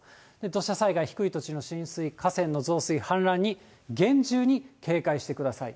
土砂災害、低い土地の浸水、河川の増水、氾濫に厳重に警戒してください。